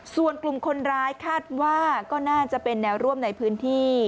ส่วนกลุ่มคนร้ายคาดว่าก็น่าจะเป็นแนวร่วมในพื้นที่